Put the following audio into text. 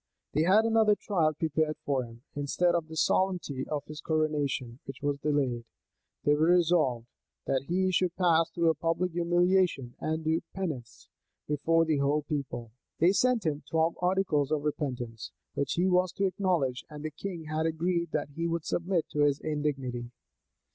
They had another trial prepared for him. Instead of the solemnity of his coronation, which was delayed, they were resolved, that he should pass through a public humiliation, and do penance before the whole people. They sent him twelve articles of repentance, which he was to acknowledge; and the king had agreed that he would submit to this indignity.